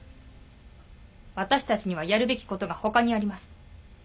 私たちにはやるべきことが他にあります。